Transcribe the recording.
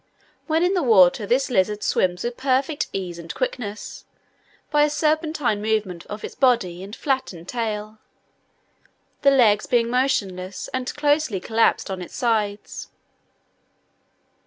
When in the water this lizard swims with perfect ease and quickness, by a serpentine movement of its body and flattened tail the legs being motionless and closely collapsed on its sides.